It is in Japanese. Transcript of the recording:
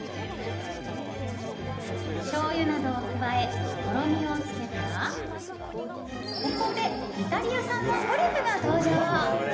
しょうゆなどを加えとろみをつけたらここでイタリア産のトリュフが登場。